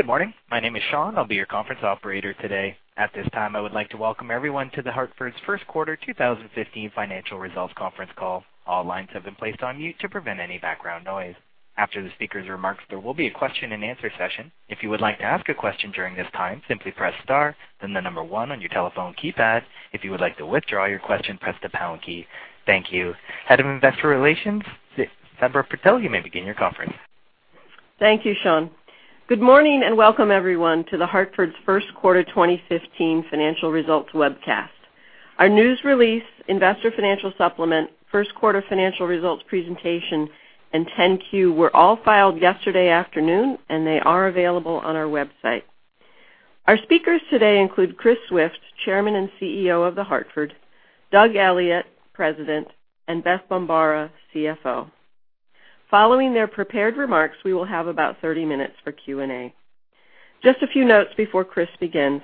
Good morning. My name is Sean. I'll be your conference operator today. At this time, I would like to welcome everyone to The Hartford's first quarter 2015 financial results conference call. All lines have been placed on mute to prevent any background noise. After the speaker's remarks, there will be a question and answer session. If you would like to ask a question during this time, simply press star, then the number one on your telephone keypad. If you would like to withdraw your question, press the pound key. Thank you. Head of Investor Relations, Sabra Purtill, you may begin your conference. Thank you, Sean. Good morning and welcome everyone to The Hartford's first quarter 2015 financial results webcast. Our news release investor financial supplement, first quarter financial results presentation, and 10-Q were all filed yesterday afternoon, and they are available on our website. Our speakers today include Chris Swift, Chairman and CEO of The Hartford, Doug Elliot, President, and Beth Bombara, CFO. Following their prepared remarks, we will have about 30 minutes for Q&A. Just a few notes before Chris begins.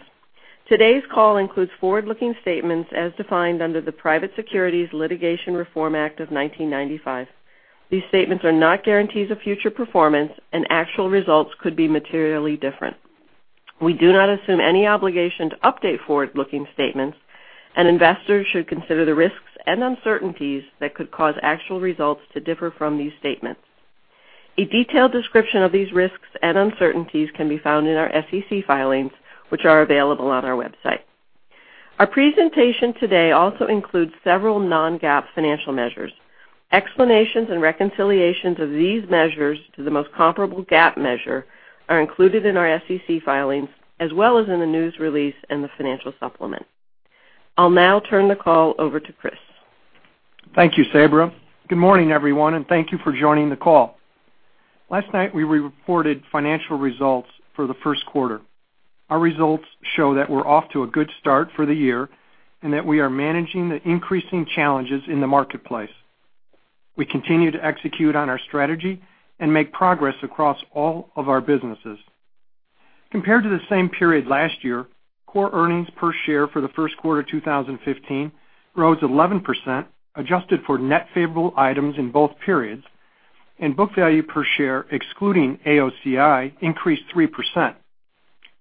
Today's call includes forward-looking statements as defined under the Private Securities Litigation Reform Act of 1995. These statements are not guarantees of future performance, and actual results could be materially different. We do not assume any obligation to update forward-looking statements, and investors should consider the risks and uncertainties that could cause actual results to differ from these statements. A detailed description of these risks and uncertainties can be found in our SEC filings, which are available on our website. Our presentation today also includes several non-GAAP financial measures. Explanations and reconciliations of these measures to the most comparable GAAP measure are included in our SEC filings as well as in the news release and the financial supplement. I'll now turn the call over to Chris. Thank you, Sabra. Good morning, everyone, and thank you for joining the call. Last night we reported financial results for the first quarter. Our results show that we're off to a good start for the year and that we are managing the increasing challenges in the marketplace. We continue to execute on our strategy and make progress across all of our businesses. Compared to the same period last year, core earnings per share for the first quarter 2015 rose 11%, adjusted for net favorable items in both periods, and book value per share, excluding AOCI, increased 3%.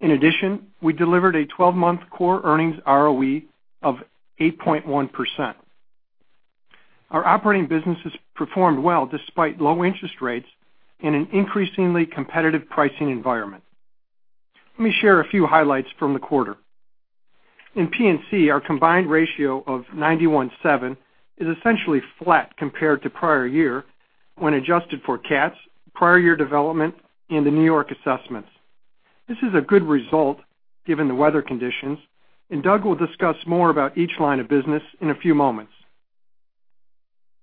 In addition, we delivered a 12-month core earnings ROE of 8.1%. Our operating businesses performed well despite low interest rates in an increasingly competitive pricing environment. Let me share a few highlights from the quarter. In P&C, our combined ratio of 91.7 is essentially flat compared to prior year when adjusted for CATs, prior year development, and the New York assessments. This is a good result given the weather conditions, Doug will discuss more about each line of business in a few moments.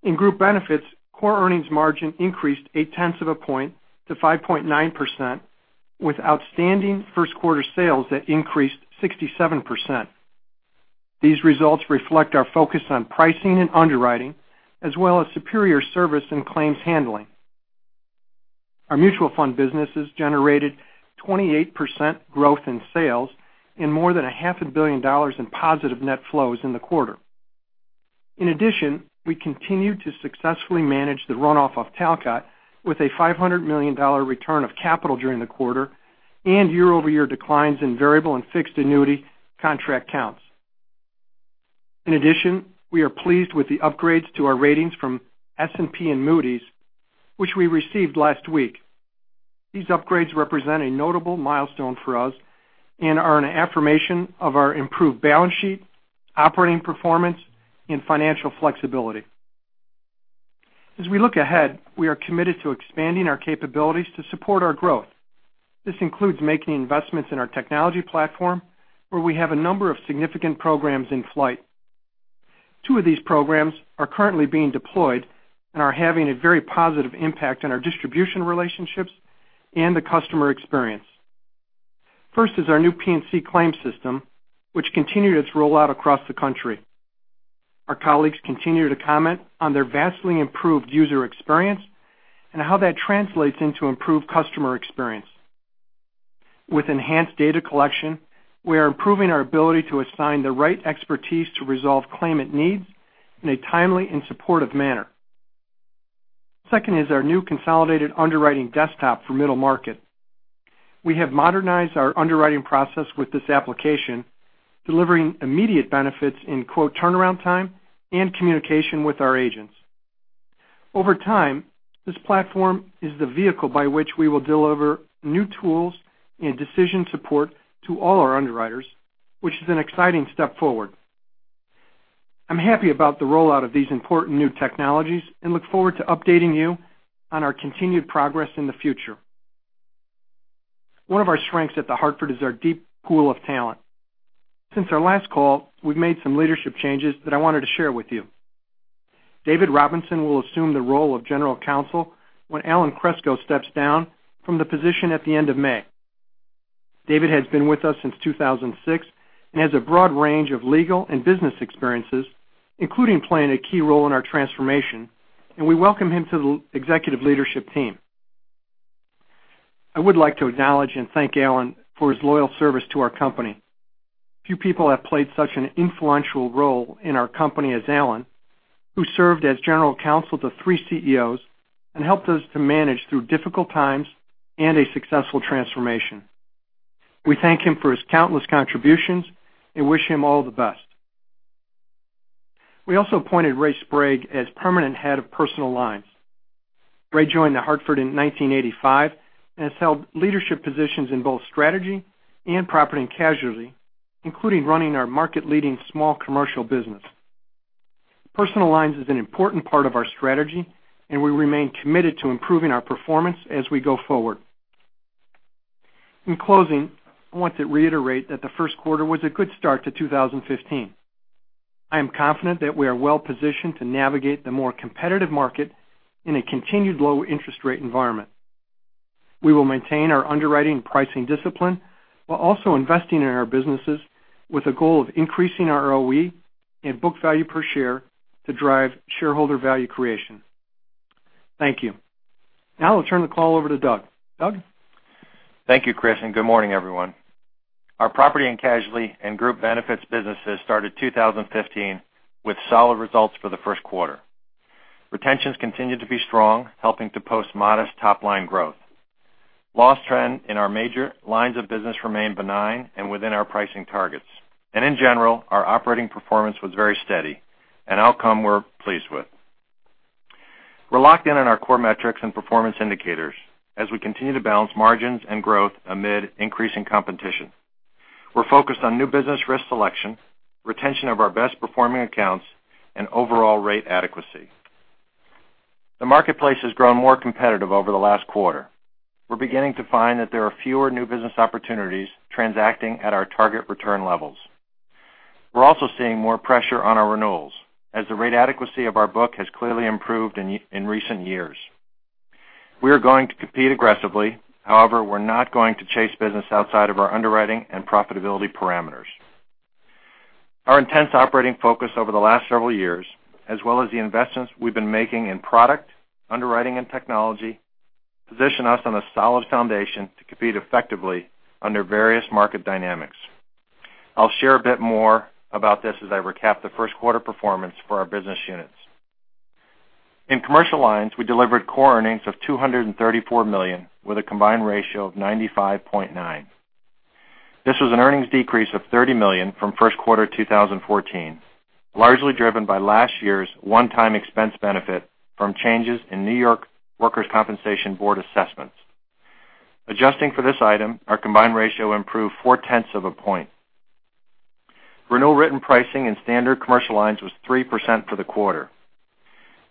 In group benefits, core earnings margin increased eight tenths of a point to 5.9%, with outstanding first quarter sales that increased 67%. These results reflect our focus on pricing and underwriting, as well as superior service and claims handling. Our mutual fund businesses generated 28% growth in sales and more than a half a billion dollars in positive net flows in the quarter. In addition, we continued to successfully manage the runoff of Talcott with a $500 million return of capital during the quarter and year-over-year declines in variable and fixed annuity contract counts. In addition, we are pleased with the upgrades to our ratings from S&P and Moody's, which we received last week. These upgrades represent a notable milestone for us and are an affirmation of our improved balance sheet, operating performance, and financial flexibility. As we look ahead, we are committed to expanding our capabilities to support our growth. This includes making investments in our technology platform, where we have a number of significant programs in flight. Two of these programs are currently being deployed and are having a very positive impact on our distribution relationships and the customer experience. First is our new P&C claims system, which continued its rollout across the country. Our colleagues continue to comment on their vastly improved user experience and how that translates into improved customer experience. With enhanced data collection, we are improving our ability to assign the right expertise to resolve claimant needs in a timely and supportive manner. Second is our new consolidated underwriting desktop for middle market. We have modernized our underwriting process with this application, delivering immediate benefits in quote turnaround time and communication with our agents. Over time, this platform is the vehicle by which we will deliver new tools and decision support to all our underwriters, which is an exciting step forward. I'm happy about the rollout of these important new technologies and look forward to updating you on our continued progress in the future. One of our strengths at The Hartford is our deep pool of talent. Since our last call, we've made some leadership changes that I wanted to share with you. David Robinson will assume the role of General Counsel when Alan Kreczko steps down from the position at the end of May. David has been with us since 2006 and has a broad range of legal and business experiences, including playing a key role in our transformation, we welcome him to the executive leadership team. I would like to acknowledge and thank Alan for his loyal service to our company. Few people have played such an influential role in our company as Alan, who served as General Counsel to three CEOs and helped us to manage through difficult times and a successful transformation. We thank him for his countless contributions and wish him all the best. We also appointed Ray Sprague as permanent head of personal lines. Ray joined The Hartford in 1985 and has held leadership positions in both strategy and property and casualty, including running our market-leading small commercial business. Personal lines is an important part of our strategy, and we remain committed to improving our performance as we go forward. In closing, I want to reiterate that the first quarter was a good start to 2015. I am confident that we are well-positioned to navigate the more competitive market in a continued low-interest rate environment. We will maintain our underwriting pricing discipline while also investing in our businesses with a goal of increasing our ROE and book value per share to drive shareholder value creation. Thank you. Now I'll turn the call over to Doug. Doug? Thank you, Chris, and good morning, everyone. Our property and casualty and group benefits businesses started 2015 with solid results for the first quarter. Retentions continued to be strong, helping to post modest top-line growth. Loss trend in our major lines of business remained benign and within our pricing targets. In general, our operating performance was very steady, an outcome we're pleased with. We're locked in on our core metrics and performance indicators as we continue to balance margins and growth amid increasing competition. We're focused on new business risk selection, retention of our best-performing accounts, and overall rate adequacy. The marketplace has grown more competitive over the last quarter. We're beginning to find that there are fewer new business opportunities transacting at our target return levels. We're also seeing more pressure on our renewals as the rate adequacy of our book has clearly improved in recent years. We are going to compete aggressively. However, we're not going to chase business outside of our underwriting and profitability parameters. Our intense operating focus over the last several years, as well as the investments we've been making in product, underwriting, and technology, position us on a solid foundation to compete effectively under various market dynamics. I'll share a bit more about this as I recap the first quarter performance for our business units. In commercial lines, we delivered core earnings of $234 million with a combined ratio of 95.9%. This was an earnings decrease of $30 million from first quarter 2014, largely driven by last year's one-time expense benefit from changes in New York Workers' Compensation Board assessments. Adjusting for this item, our combined ratio improved four tenths of a point. Renewal written pricing in standard commercial lines was 3% for the quarter.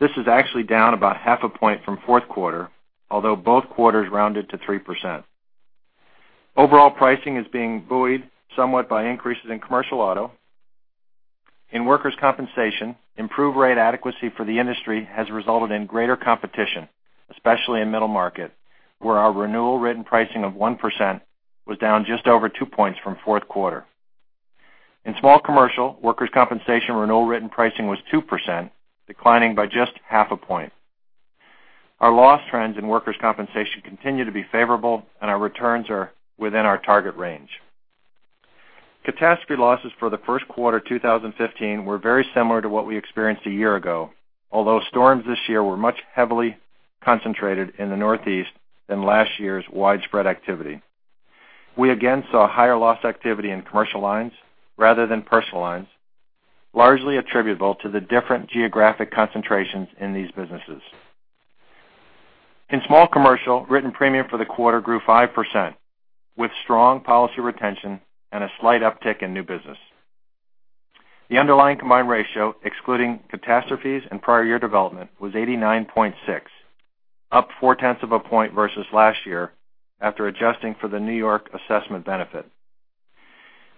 This is actually down about half a point from fourth quarter, although both quarters rounded to 3%. Overall pricing is being buoyed somewhat by increases in commercial auto. In workers' compensation, improved rate adequacy for the industry has resulted in greater competition, especially in middle market, where our renewal written pricing of 1% was down just over two points from fourth quarter. In small commercial, workers' compensation renewal written pricing was 2%, declining by just half a point. Our loss trends in workers' compensation continue to be favorable. Our returns are within our target range. Catastrophe losses for the first quarter 2015 were very similar to what we experienced a year ago, although storms this year were much heavily concentrated in the Northeast than last year's widespread activity. We again saw higher loss activity in commercial lines rather than personal lines, largely attributable to the different geographic concentrations in these businesses. In small commercial, written premium for the quarter grew 5%, with strong policy retention and a slight uptick in new business. The underlying combined ratio, excluding catastrophes and prior year development, was 89.6, up four tenths of a point versus last year after adjusting for the New York assessment benefit.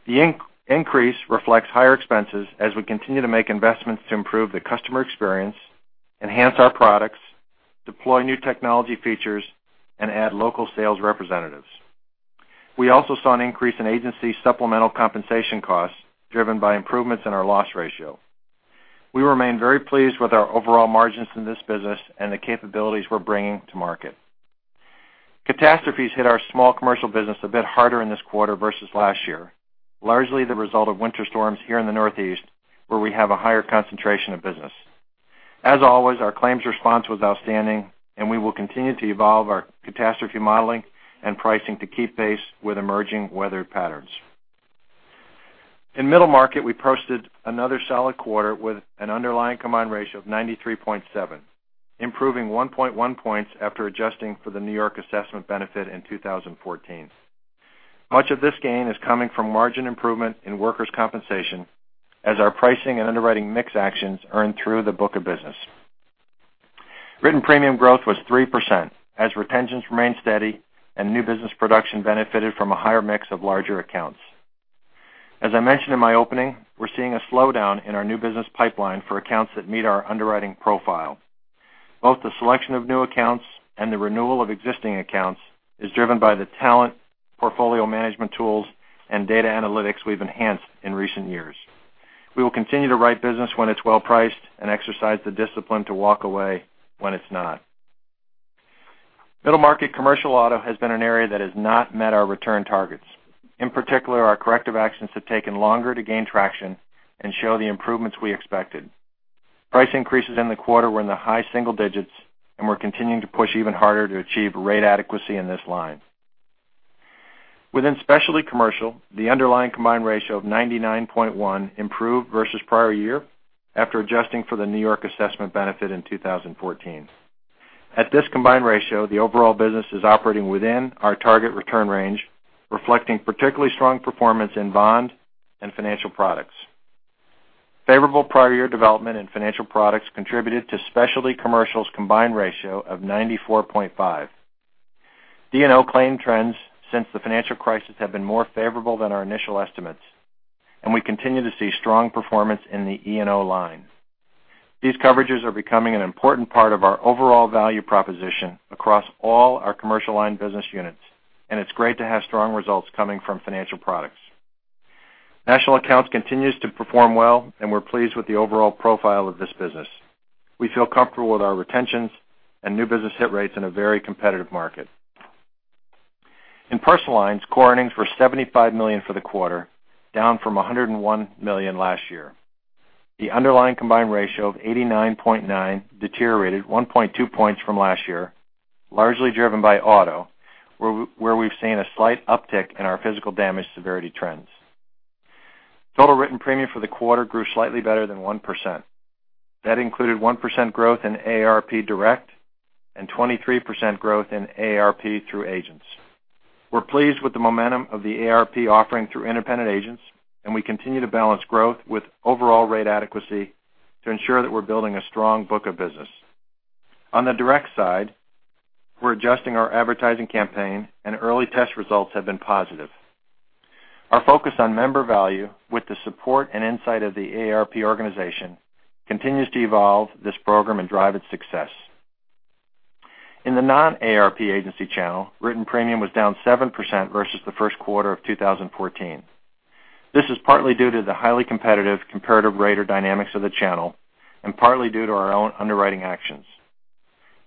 The increase reflects higher expenses as we continue to make investments to improve the customer experience, enhance our products, deploy new technology features, and add local sales representatives. We also saw an increase in agency supplemental compensation costs driven by improvements in our loss ratio. We remain very pleased with our overall margins in this business and the capabilities we're bringing to market. Catastrophes hit our small commercial business a bit harder in this quarter versus last year, largely the result of winter storms here in the Northeast, where we have a higher concentration of business. As always, our claims response was outstanding, and we will continue to evolve our catastrophe modeling and pricing to keep pace with emerging weather patterns. In middle market, we posted another solid quarter with an underlying combined ratio of 93.7, improving 1.1 points after adjusting for the New York assessment benefit in 2014. Much of this gain is coming from margin improvement in workers' compensation as our pricing and underwriting mix actions earn through the book of business. Written premium growth was 3% as retentions remained steady and new business production benefited from a higher mix of larger accounts. As I mentioned in my opening, we're seeing a slowdown in our new business pipeline for accounts that meet our underwriting profile. Both the selection of new accounts and the renewal of existing accounts is driven by the talent, portfolio management tools, and data analytics we've enhanced in recent years. We will continue to write business when it's well-priced and exercise the discipline to walk away when it's not. Middle market commercial auto has been an area that has not met our return targets. In particular, our corrective actions have taken longer to gain traction and show the improvements we expected. Price increases in the quarter were in the high single digits, and we're continuing to push even harder to achieve rate adequacy in this line. Within specialty commercial, the underlying combined ratio of 99.1 improved versus prior year after adjusting for the New York assessment benefit in 2014. At this combined ratio, the overall business is operating within our target return range, reflecting particularly strong performance in bond and financial products. Favorable prior year development in financial products contributed to specialty commercial's combined ratio of 94.5. D&O claim trends since the financial crisis have been more favorable than our initial estimates, and we continue to see strong performance in the E&O line. These coverages are becoming an important part of our overall value proposition across all our commercial line business units, and it's great to have strong results coming from financial products. National accounts continues to perform well, and we're pleased with the overall profile of this business. We feel comfortable with our retentions and new business hit rates in a very competitive market. In personal lines, core earnings were $75 million for the quarter, down from $101 million last year. The underlying combined ratio of 89.9 deteriorated 1.2 points from last year, largely driven by auto, where we've seen a slight uptick in our physical damage severity trends. Total written premium for the quarter grew slightly better than 1%. That included 1% growth in AARP Direct and 23% growth in AARP through agents. We're pleased with the momentum of the AARP offering through independent agents, and we continue to balance growth with overall rate adequacy to ensure that we're building a strong book of business. On the direct side, we're adjusting our advertising campaign, and early test results have been positive. Our focus on member value with the support and insight of the AARP organization continues to evolve this program and drive its success. In the non-AARP agency channel, written premium was down 7% versus the first quarter of 2014. This is partly due to the highly competitive comparative rater dynamics of the channel and partly due to our own underwriting actions.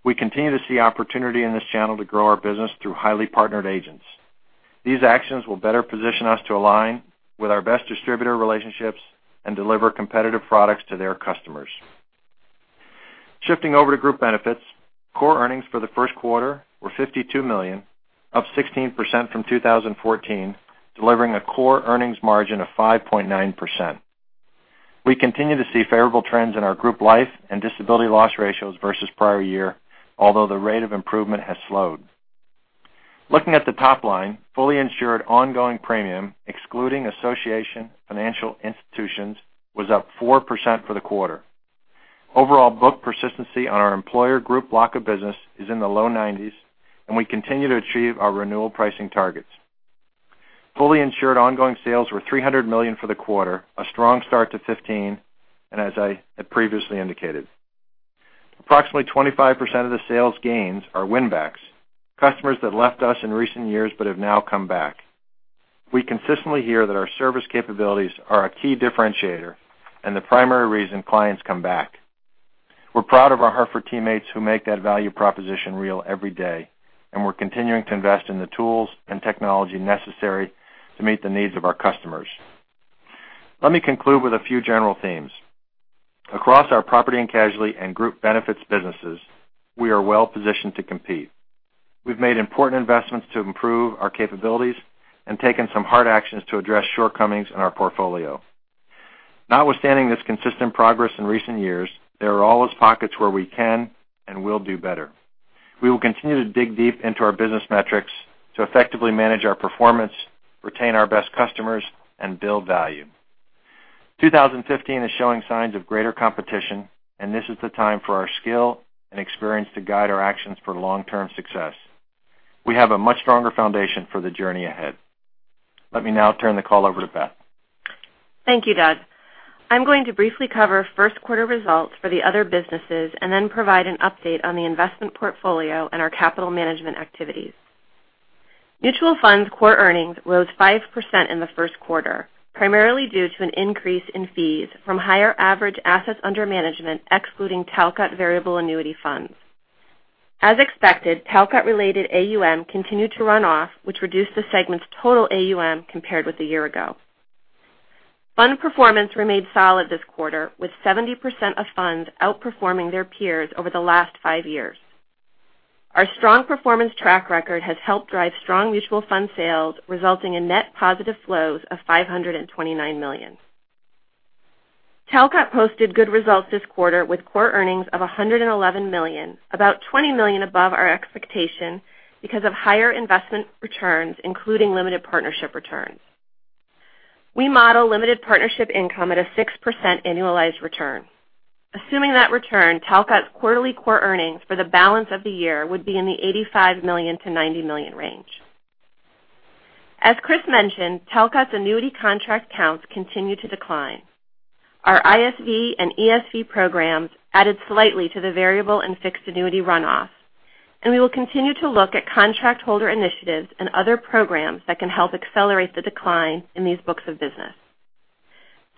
We continue to see opportunity in this channel to grow our business through highly partnered agents. These actions will better position us to align with our best distributor relationships and deliver competitive products to their customers. Shifting over to Group Benefits, core earnings for the first quarter were $52 million, up 16% from 2014, delivering a core earnings margin of 5.9%. We continue to see favorable trends in our group life and disability loss ratios versus prior year, although the rate of improvement has slowed. Looking at the top line, fully insured ongoing premium, excluding association financial institutions, was up 4% for the quarter. Overall book persistency on our employer group block of business is in the low 90s, and we continue to achieve our renewal pricing targets. Fully insured ongoing sales were $300 million for the quarter, a strong start to 2015, and as I had previously indicated. Approximately 25% of the sales gains are win-backs, customers that left us in recent years but have now come back. We consistently hear that our service capabilities are a key differentiator and the primary reason clients come back. We're proud of our Hartford teammates who make that value proposition real every day, and we're continuing to invest in the tools and technology necessary to meet the needs of our customers. Let me conclude with a few general themes. Across our property and casualty and Group Benefits businesses, we are well positioned to compete. We've made important investments to improve our capabilities and taken some hard actions to address shortcomings in our portfolio. Notwithstanding this consistent progress in recent years, there are always pockets where we can and will do better. We will continue to dig deep into our business metrics to effectively manage our performance, retain our best customers, and build value. 2015 is showing signs of greater competition, and this is the time for our skill and experience to guide our actions for long-term success. We have a much stronger foundation for the journey ahead. Let me now turn the call over to Beth. Thank you, Doug. I'm going to briefly cover first quarter results for the other businesses and then provide an update on the investment portfolio and our capital management activities. Mutual Funds core earnings rose 5% in the first quarter, primarily due to an increase in fees from higher average assets under management, excluding Talcott variable annuity funds. As expected, Talcott-related AUM continued to run off, which reduced the segment's total AUM compared with a year ago. Fund performance remained solid this quarter, with 70% of funds outperforming their peers over the last five years. Our strong performance track record has helped drive strong mutual fund sales, resulting in net positive flows of $529 million. Talcott posted good results this quarter with core earnings of $111 million, about $20 million above our expectation because of higher investment returns, including limited partnership returns. We model limited partnership income at a 6% annualized return. Assuming that return, Talcott's quarterly core earnings for the balance of the year would be in the $85 million to $90 million range. As Chris mentioned, Talcott's annuity contract counts continue to decline. Our ISV and ESV programs added slightly to the variable and fixed annuity runoff, and we will continue to look at contract holder initiatives and other programs that can help accelerate the decline in these books of business.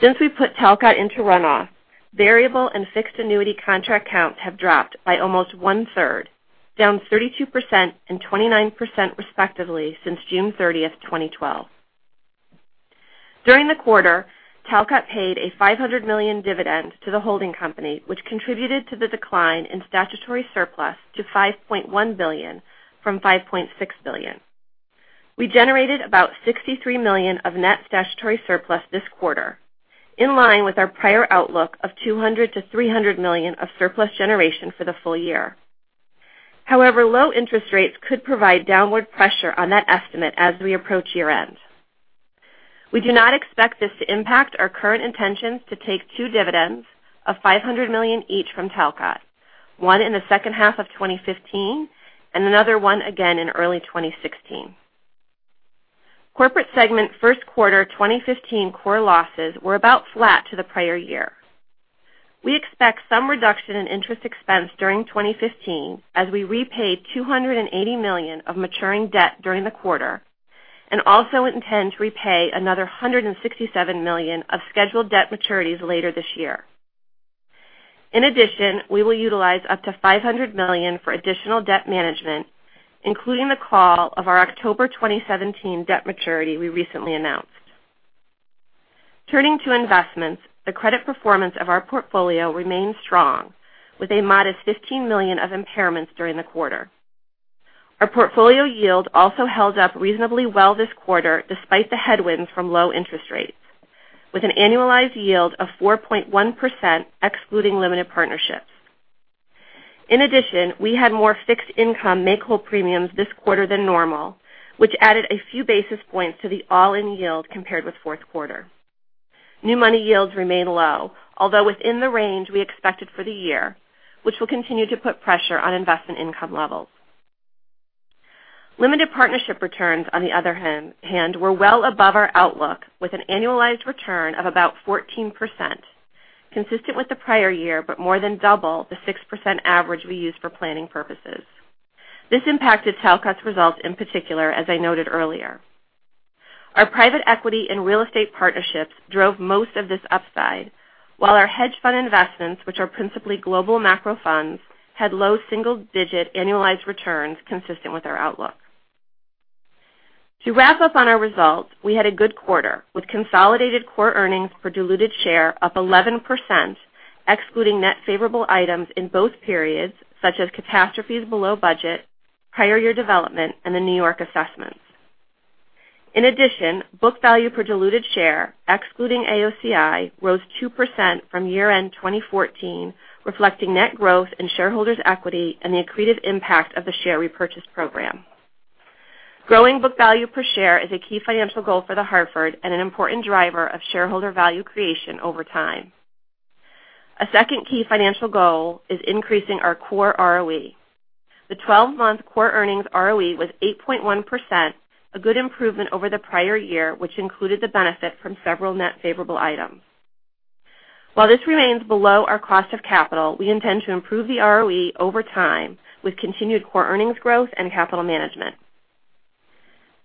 Since we put Talcott into runoff, variable and fixed annuity contract counts have dropped by almost one-third, down 32% and 29%, respectively, since June 30th, 2012. During the quarter, Talcott paid a $500 million dividend to the holding company, which contributed to the decline in statutory surplus to $5.1 billion from $5.6 billion. We generated about $63 million of net statutory surplus this quarter, in line with our prior outlook of $200 million to $300 million of surplus generation for the full year. However, low interest rates could provide downward pressure on that estimate as we approach year-end. We do not expect this to impact our current intentions to take two dividends of $500 million each from Talcott, one in the second half of 2015 and another one again in early 2016. Corporate segment first quarter 2015 core losses were about flat to the prior year. We expect some reduction in interest expense during 2015 as we repaid $280 million of maturing debt during the quarter, and also intend to repay another $167 million of scheduled debt maturities later this year. In addition, we will utilize up to $500 million for additional debt management, including the call of our October 2017 debt maturity we recently announced. Turning to investments, the credit performance of our portfolio remains strong, with a modest $15 million of impairments during the quarter. Our portfolio yield also held up reasonably well this quarter despite the headwinds from low interest rates, with an annualized yield of 4.1%, excluding limited partnerships. In addition, we had more fixed income make-whole premiums this quarter than normal, which added a few basis points to the all-in yield compared with fourth quarter. New money yields remain low, although within the range we expected for the year, which will continue to put pressure on investment income levels. Limited partnership returns, on the other hand, were well above our outlook with an annualized return of about 14%, consistent with the prior year, but more than double the 6% average we use for planning purposes. This impacted Talcott’s results in particular, as I noted earlier. Our private equity and real estate partnerships drove most of this upside, while our hedge fund investments, which are principally global macro funds, had low single-digit annualized returns consistent with our outlook. To wrap up on our results, we had a good quarter with consolidated core earnings per diluted share up 11%, excluding net favorable items in both periods, such as catastrophes below budget, prior year development, and the New York assessments. In addition, book value per diluted share, excluding AOCI, rose 2% from year-end 2014, reflecting net growth in shareholders' equity and the accretive impact of the share repurchase program. Growing book value per share is a key financial goal for The Hartford and an important driver of shareholder value creation over time. A second key financial goal is increasing our core ROE. The 12-month core earnings ROE was 8.1%, a good improvement over the prior year, which included the benefit from several net favorable items. While this remains below our cost of capital, we intend to improve the ROE over time with continued core earnings growth and capital management.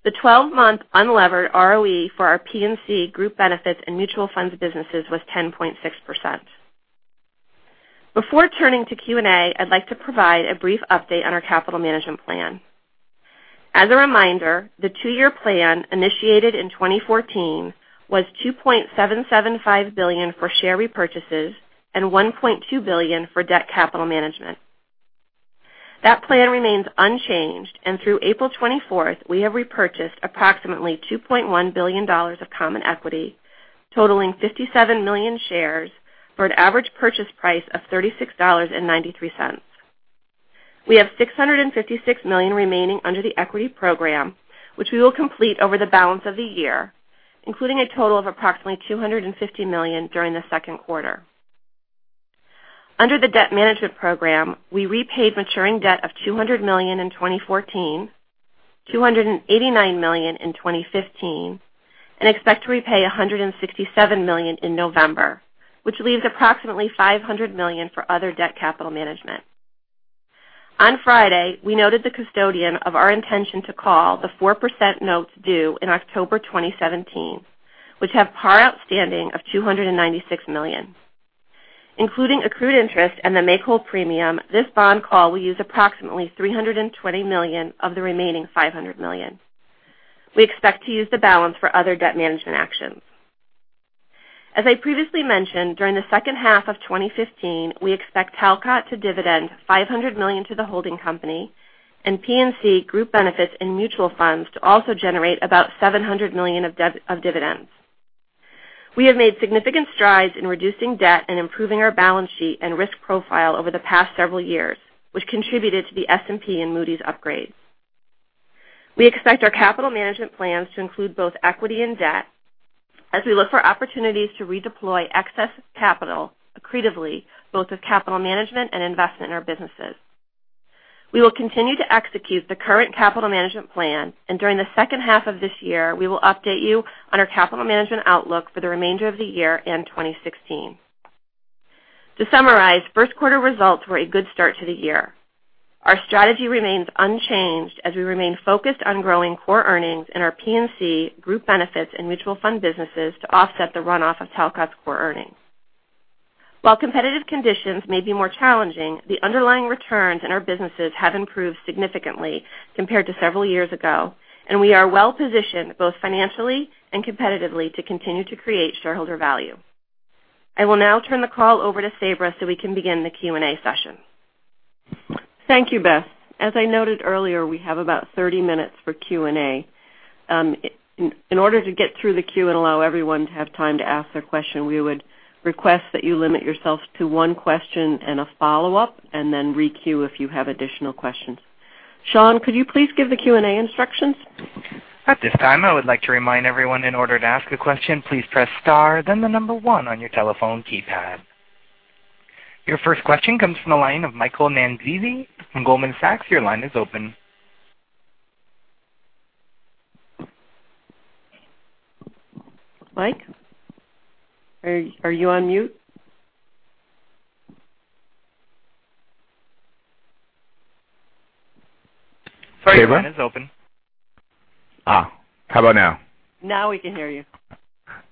The 12-month unlevered ROE for our P&C group benefits and mutual funds businesses was 10.6%. Before turning to Q&A, I'd like to provide a brief update on our capital management plan. As a reminder, the two-year plan initiated in 2014 was $2.775 billion for share repurchases and $1.2 billion for debt capital management. That plan remains unchanged, and through April 24th, we have repurchased approximately $2.1 billion of common equity, totaling 57 million shares for an average purchase price of $36.93. We have $656 million remaining under the equity program, which we will complete over the balance of the year, including a total of approximately $250 million during the second quarter. Under the debt management program, we repaid maturing debt of $200 million in 2014, $289 million in 2015, and expect to repay $167 million in November, which leaves approximately $500 million for other debt capital management. On Friday, we noted the custodian of our intention to call the 4% notes due in October 2017, which have par outstanding of $296 million. Including accrued interest and the make-whole premium, this bond call will use approximately $320 million of the remaining $500 million. We expect to use the balance for other debt management actions. As I previously mentioned, during the second half of 2015, we expect Talcott to dividend $500 million to the holding company and P&C, Group Benefits, and Mutual Funds to also generate about $700 million of dividends. We have made significant strides in reducing debt and improving our balance sheet and risk profile over the past several years, which contributed to the S&P and Moody's upgrade. We expect our capital management plans to include both equity and debt as we look for opportunities to redeploy excess capital accretively, both with capital management and investment in our businesses. We will continue to execute the current capital management plan. During the second half of this year, we will update you on our capital management outlook for the remainder of the year and 2016. To summarize, first quarter results were a good start to the year. Our strategy remains unchanged as we remain focused on growing core earnings in our P&C group benefits and mutual fund businesses to offset the runoff of Talcott's core earnings. While competitive conditions may be more challenging, the underlying returns in our businesses have improved significantly compared to several years ago, and we are well-positioned both financially and competitively to continue to create shareholder value. I will now turn the call over to Sabra so we can begin the Q&A session. Thank you, Beth. As I noted earlier, we have about 30 minutes for Q&A. In order to get through the queue and allow everyone to have time to ask their question, we would request that you limit yourselves to one question and a follow-up. Re-queue if you have additional questions. Sean, could you please give the Q&A instructions? At this time, I would like to remind everyone, in order to ask a question, please press star then the number one on your telephone keypad. Your first question comes from the line of Michael Nannizzi from Goldman Sachs. Your line is open. Mike, are you on mute? Sorry, your line is open. How about now? Now we can hear you.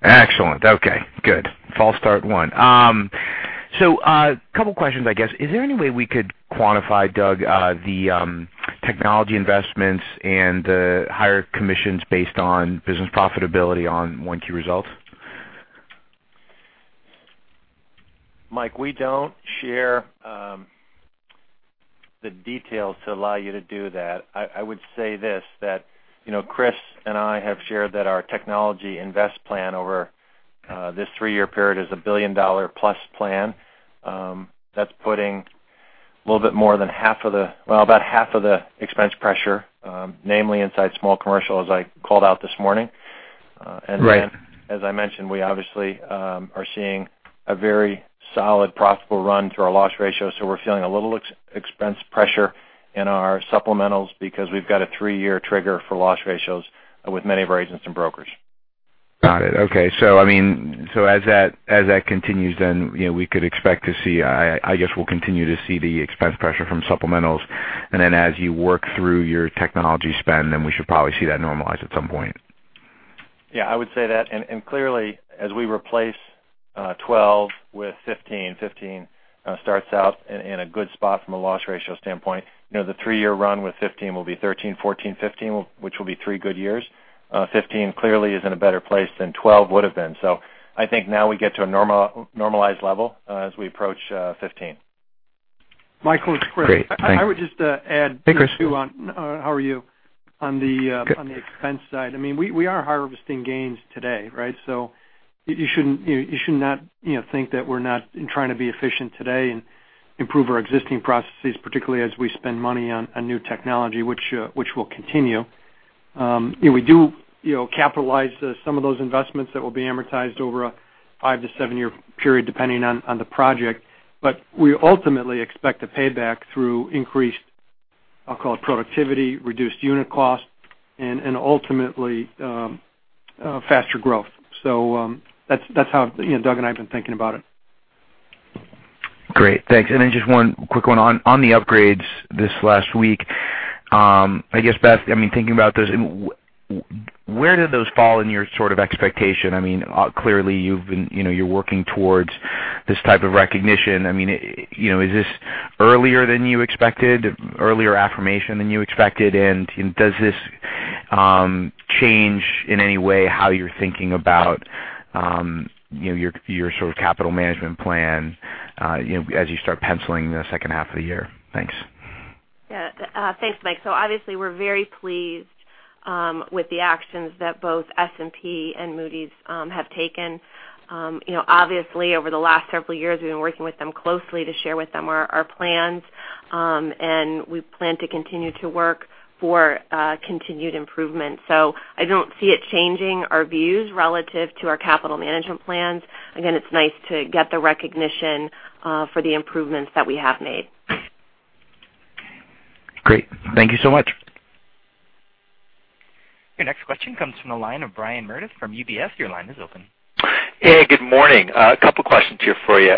Excellent. Okay, good. False start one. A couple questions, I guess. Is there any way we could quantify, Doug, the technology investments and the higher commissions based on business profitability on 1Q results? Mike, we don't share the details to allow you to do that. I would say this, that Chris and I have shared that our technology invest plan over this three-year period is a billion-dollar-plus plan. That's putting a little bit more than half of the expense pressure, namely inside Small Commercial, as I called out this morning. Right. As I mentioned, we obviously are seeing a very solid profitable run through our loss ratio. We're feeling a little expense pressure in our supplementals because we've got a three-year trigger for loss ratios with many of our agents and brokers. Got it. Okay. As that continues, we could expect to see, I guess we'll continue to see the expense pressure from supplementals, as you work through your technology spend, we should probably see that normalize at some point. Yeah, I would say that. Clearly, as we replace 2012 with 2015 starts out in a good spot from a loss ratio standpoint. The three-year run with 2015 will be 2013, 2014, 2015, which will be three good years. 2015 clearly is in a better place than 2012 would have been. I think now we get to a normalized level as we approach 2015. Michael, it's Chris. Great. Thanks. I would just add too. Hey, Chris. How are you? Good. On the expense side. We are harvesting gains today. You should not think that we're not trying to be efficient today and improve our existing processes, particularly as we spend money on new technology, which will continue. We do capitalize some of those investments that will be amortized over a five to seven-year period, depending on the project. We ultimately expect a payback through increased, I'll call it productivity, reduced unit cost, and ultimately, faster growth. That's how Doug and I have been thinking about it. Great. Thanks. Then just one quick one on the upgrades this last week. I guess, Beth, thinking about those, where do those fall in your sort of expectation? Clearly you're working towards this type of recognition. Is this earlier than you expected, earlier affirmation than you expected? Does this change in any way how you're thinking about your sort of capital management plan as you start penciling the second half of the year? Thanks. Yeah. Thanks, Mike. Obviously, we're very pleased with the actions that both S&P and Moody's have taken. Obviously, over the last several years, we've been working with them closely to share with them our plans. We plan to continue to work for continued improvement. I don't see it changing our views relative to our capital management plans. Again, it's nice to get the recognition for the improvements that we have made. Great. Thank you so much. Your next question comes from the line of Brian Meredith from UBS. Your line is open. Hey, good morning. A couple questions here for you.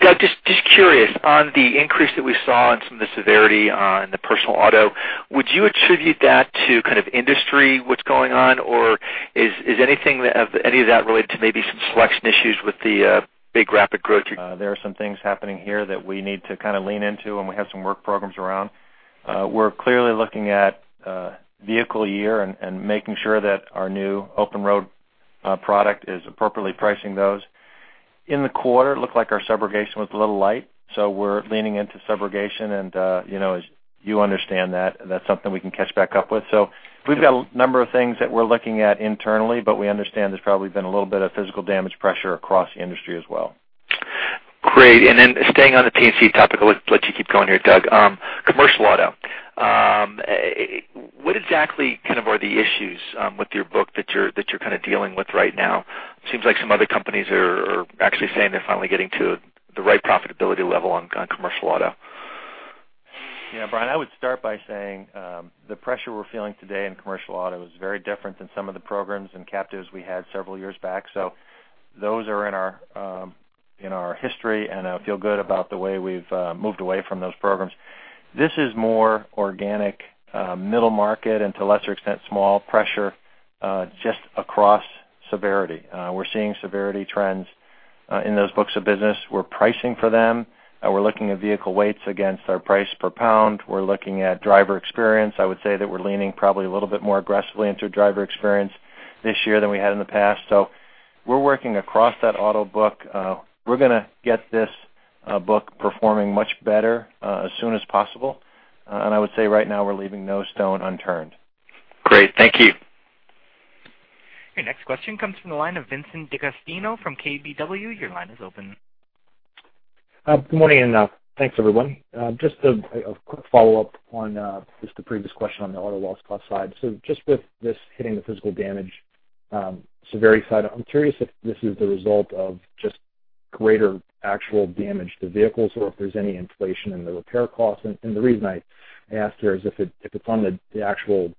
Doug, just curious, on the increase that we saw in some of the severity on the personal auto, would you attribute that to kind of industry, what's going on? Or is any of that related to maybe some selection issues with the big rapid growth- There are some things happening here that we need to kind of lean into, and we have some work programs around. We're clearly looking at vehicle year and making sure that our new Open Road product is appropriately pricing those. In the quarter, it looked like our subrogation was a little light, so we're leaning into subrogation and as you understand that's something we can catch back up with. We've got a number of things that we're looking at internally, but we understand there's probably been a little bit of physical damage pressure across the industry as well. Great. Staying on the P&C topic, I'll let you keep going here, Doug. Commercial auto. What exactly kind of are the issues with your book that you're kind of dealing with right now? It seems like some other companies are actually saying they're finally getting to the right profitability level on commercial auto. Yeah, Brian, I would start by saying the pressure we're feeling today in commercial auto is very different than some of the programs and captives we had several years back. Those are in our history, and I feel good about the way we've moved away from those programs. This is more organic middle market and to a lesser extent, small pressure, just across severity. We're seeing severity trends in those books of business. We're pricing for them. We're looking at vehicle weights against our price per pound. We're looking at driver experience. I would say that we're leaning probably a little bit more aggressively into driver experience this year than we had in the past. We're working across that auto book. We're going to get this book performing much better as soon as possible. I would say right now we're leaving no stone unturned. Great. Thank you. Your next question comes from the line of Vincent DeAugustino from KBW. Your line is open. Good morning, and thanks, everyone. A quick follow-up on just the previous question on the auto loss cost side. Just with this hitting the physical damage severity side, I'm curious if this is the result of just greater actual damage to vehicles or if there's any inflation in the repair costs. The reason I ask here is if it's on the actual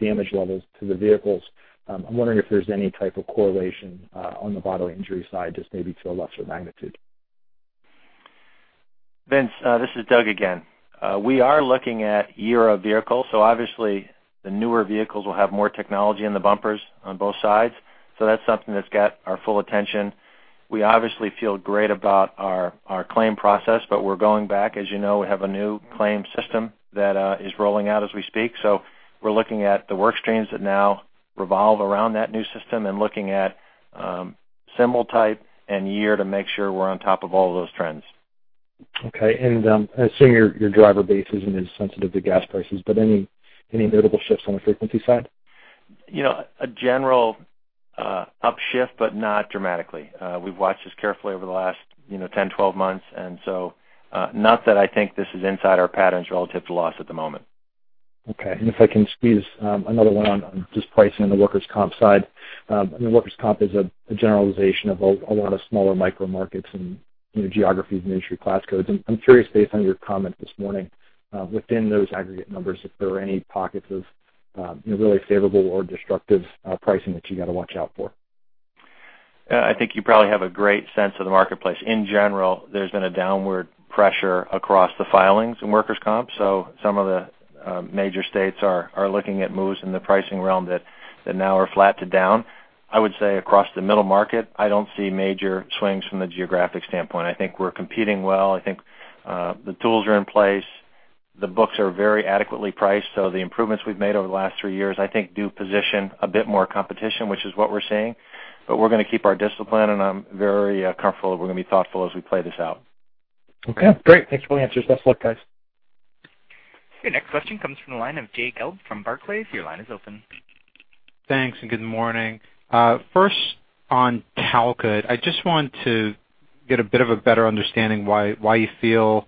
damage levels to the vehicles, I'm wondering if there's any type of correlation on the bodily injury side, just maybe to a lesser magnitude. Vince, this is Doug again. We are looking at year of vehicle, obviously the newer vehicles will have more technology in the bumpers on both sides. That's something that's got our full attention. We obviously feel great about our claim process, we're going back. As you know, we have a new claim system that is rolling out as we speak. We're looking at the work streams that now revolve around that new system and looking at symbol type and year to make sure we're on top of all those trends. Okay. I assume your driver base isn't as sensitive to gas prices, any notable shifts on the frequency side? A general up shift, not dramatically. We've watched this carefully over the last 10, 12 months, not that I think this is inside our patterns relative to loss at the moment. Okay. If I can squeeze another one on just pricing on the workers' comp side. I mean, workers' comp is a generalization of a lot of smaller micro markets and geographies and industry class codes. I'm curious, based on your comment this morning, within those aggregate numbers, if there are any pockets of really favorable or destructive pricing that you got to watch out for. I think you probably have a great sense of the marketplace. In general, there's been a downward pressure across the filings in workers' comp. Some of the major states are looking at moves in the pricing realm that now are flat to down. I would say across the middle market, I don't see major swings from the geographic standpoint. I think we're competing well. I think the tools are in place. The books are very adequately priced. The improvements we've made over the last three years, I think, do position a bit more competition, which is what we're seeing. We're going to keep our discipline, and I'm very comfortable that we're going to be thoughtful as we play this out. Okay, great. Thanks for the answers. Best of luck, guys. Your next question comes from the line of Jay Gelb from Barclays. Your line is open. Thanks. Good morning. First on Talcott, I just want to get a bit of a better understanding why you feel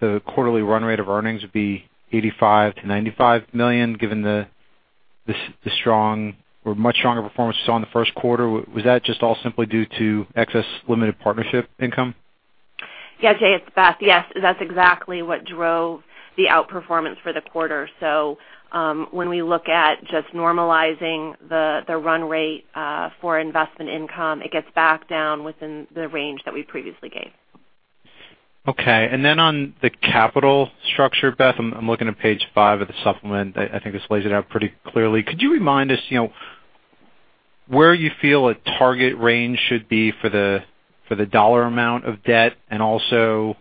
the quarterly run rate of earnings would be $85 million to $95 million, given the much stronger performance we saw in the first quarter. Was that just all simply due to excess limited partnership income? Yeah, Jay, it's Beth. Yes, that's exactly what drove the outperformance for the quarter. When we look at just normalizing the run rate for investment income, it gets back down within the range that we previously gave. Okay. On the capital structure, Beth, I'm looking at page five of the supplement. I think this lays it out pretty clearly. Could you remind us where you feel a target range should be for the dollar amount of debt and also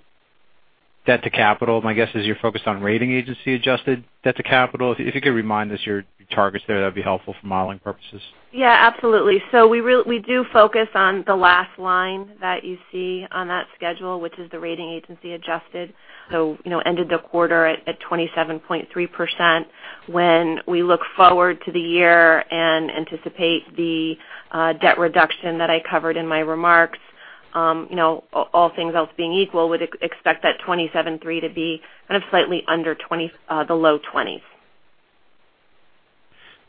debt to capital? My guess is you're focused on rating agency adjusted debt to capital. If you could remind us your targets there, that'd be helpful for modeling purposes. Yeah, absolutely. We do focus on the last line that you see on that schedule, which is the rating agency adjusted. Ended the quarter at 27.3%. When we look forward to the year and anticipate the debt reduction that I covered in my remarks, all things else being equal, would expect that 27.3% to be kind of slightly under the low 20s.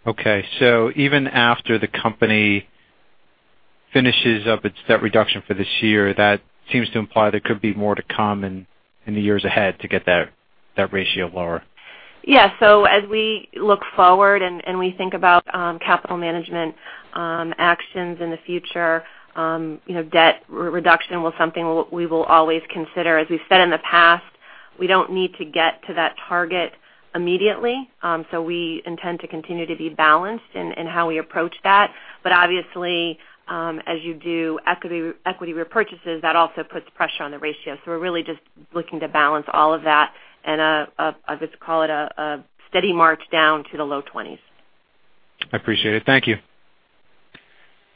Okay. Even after the company finishes up its debt reduction for this year, that seems to imply there could be more to come in the years ahead to get that ratio lower. Yeah. As we look forward and we think about capital management actions in the future, debt reduction was something we will always consider. As we've said in the past, we don't need to get to that target immediately. We intend to continue to be balanced in how we approach that. Obviously, as you do equity repurchases, that also puts pressure on the ratio. We're really just looking to balance all of that in, I guess call it a steady march down to the low 20s. I appreciate it. Thank you.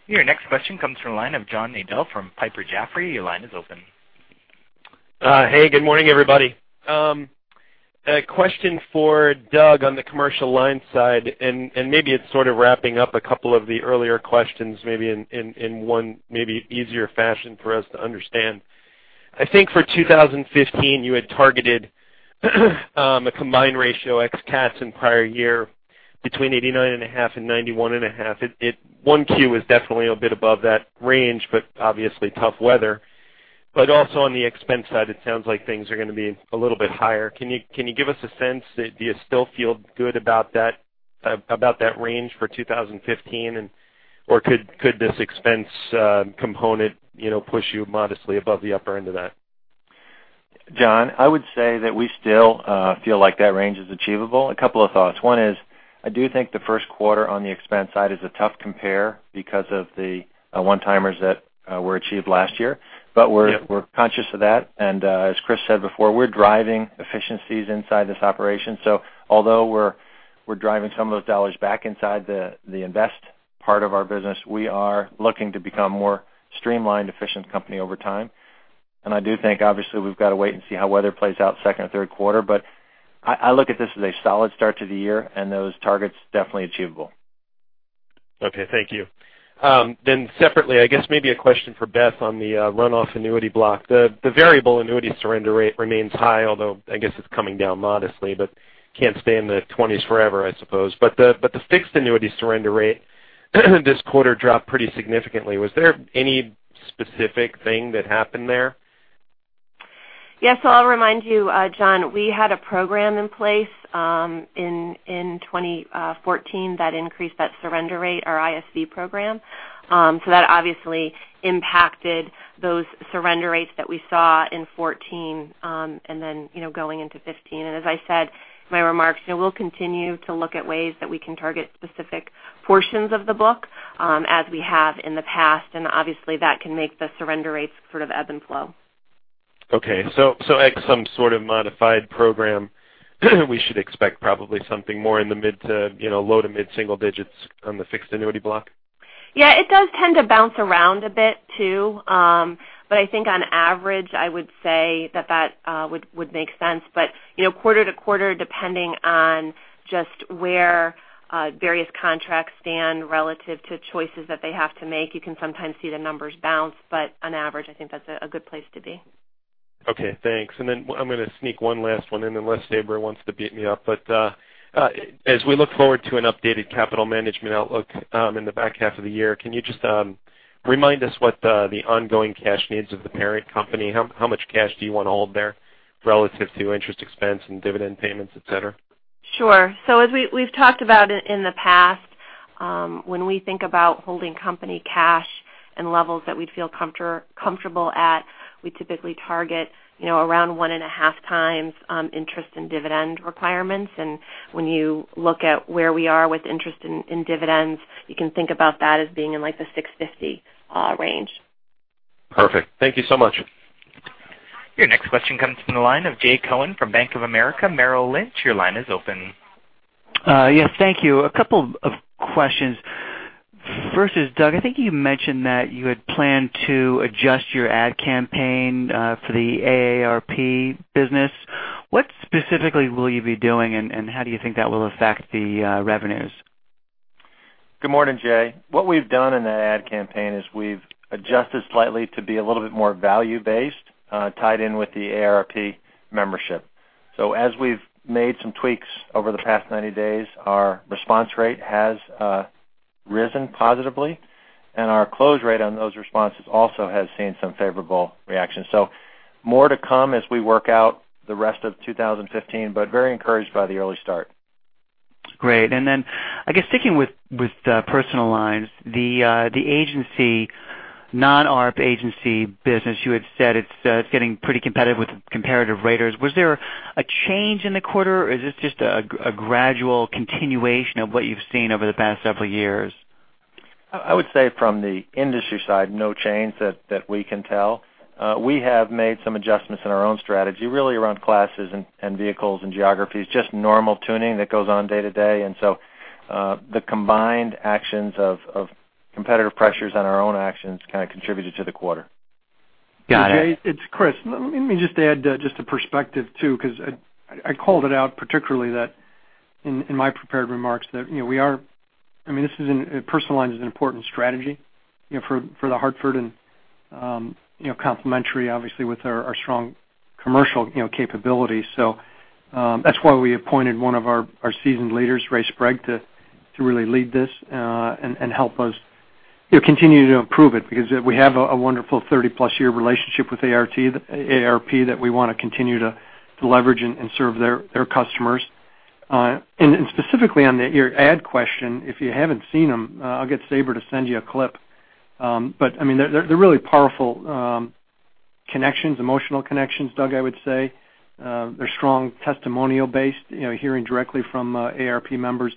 Your next question comes from the line of John Nadel from Piper Jaffray. Your line is open. Hey, good morning, everybody. A question for Doug on the commercial line side, maybe it's sort of wrapping up a couple of the earlier questions, maybe in one maybe easier fashion for us to understand. I think for 2015, you had targeted a combined ratio ex CATs in prior year between 89.5%-91.5%. 1Q is definitely a bit above that range, obviously tough weather. Also on the expense side, it sounds like things are going to be a little bit higher. Can you give us a sense, do you still feel good about that range for 2015? Could this expense component push you modestly above the upper end of that? John, I would say that we still feel like that range is achievable. A couple of thoughts. One is, I do think the first quarter on the expense side is a tough compare because of the one-timers that were achieved last year. Yep. We're conscious of that, and as Chris said before, we're driving efficiencies inside this operation. Although we're driving some of those dollars back inside the invest part of our business, we are looking to become more streamlined, efficient company over time. I do think, obviously, we've got to wait and see how weather plays out second or third quarter, but I look at this as a solid start to the year and those targets definitely achievable. Okay, thank you. Separately, I guess maybe a question for Beth on the runoff annuity block. The variable annuity surrender rate remains high, although I guess it's coming down modestly, can't stay in the 20s forever, I suppose. The fixed annuity surrender rate this quarter dropped pretty significantly. Was there any specific thing that happened there? Yes. I'll remind you, John, we had a program in place in 2014 that increased that surrender rate, our ISV program. That obviously impacted those surrender rates that we saw in 2014, and then, going into 2015. As I said in my remarks, we'll continue to look at ways that we can target specific portions of the book, as we have in the past, and obviously that can make the surrender rates sort of ebb and flow. Okay. Some sort of modified program we should expect probably something more in the low to mid-single digits on the fixed annuity block? Yeah, it does tend to bounce around a bit too. I think on average, I would say that would make sense. Quarter to quarter, depending on just where various contracts stand relative to choices that they have to make, you can sometimes see the numbers bounce, but on average, I think that's a good place to be. Okay, thanks. I'm going to sneak one last one in unless Sabra wants to beat me up, as we look forward to an updated capital management outlook in the back half of the year, can you just remind us what the ongoing cash needs of the parent company, how much cash do you want to hold there relative to interest expense and dividend payments, et cetera? As we've talked about in the past, when we think about holding company cash and levels that we'd feel comfortable at, we typically target around one and a half times interest and dividend requirements. When you look at where we are with interest in dividends, you can think about that as being in like the $650 range. Perfect. Thank you so much. Your next question comes from the line of Jay Cohen from Bank of America Merrill Lynch. Your line is open. Yes. Thank you. A couple of questions. First is, Doug, I think you mentioned that you had planned to adjust your ad campaign for the AARP business. What specifically will you be doing and how do you think that will affect the revenues? Good morning, Jay. What we've done in that ad campaign is we've adjusted slightly to be a little bit more value-based, tied in with the AARP membership. As we've made some tweaks over the past 90 days, our response rate has risen positively, and our close rate on those responses also has seen some favorable reactions. More to come as we work out the rest of 2015, but very encouraged by the early start. Great. I guess sticking with Personal Lines, the agency, non-AARP agency business, you had said it's getting pretty competitive with comparative raters. Was there a change in the quarter or is this just a gradual continuation of what you've seen over the past several years? I would say from the industry side, no change that we can tell. We have made some adjustments in our own strategy, really around classes and vehicles and geographies, just normal tuning that goes on day to day. The combined actions of competitive pressures on our own actions kind of contributed to the quarter. Got it. Jay, it's Chris. Let me just add a perspective too, because I called it out particularly that in my prepared remarks, that Personal Lines is an important strategy for The Hartford and complementary, obviously, with our strong commercial capabilities. That's why we appointed one of our seasoned leaders, Ray Sprague, to really lead this, and help us continue to improve it, because we have a wonderful 30-plus year relationship with AARP that we want to continue to leverage and serve their customers. Specifically on your ad question, if you haven't seen them, I'll get Sabra to send you a clip. They're really powerful connections, emotional connections, Doug, I would say. They're strong testimonial-based, hearing directly from AARP members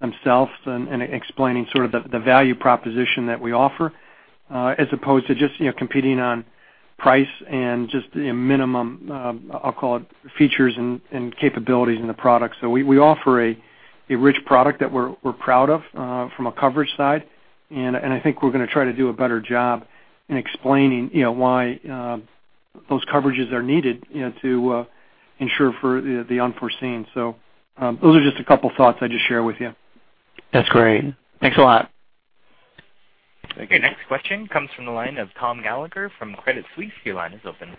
themselves and explaining sort of the value proposition that we offer, as opposed to just competing on price and just minimum, I'll call it, features and capabilities in the product. We offer a rich product that we're proud of from a coverage side, and I think we're going to try to do a better job in explaining why those coverages are needed to ensure for the unforeseen. Those are just a couple thoughts I'd just share with you. That's great. Thanks a lot. Thank you. Next question comes from the line of Tom Gallagher from Credit Suisse. Your line is open.